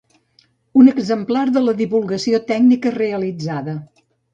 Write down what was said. Un exemplar de la divulgació tècnica realitzada.